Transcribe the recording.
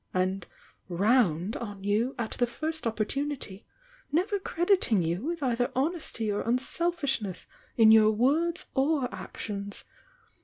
and 'round' on you at the first oppor tunity, never crediting you with either honesty or unselfishness in your words or actions.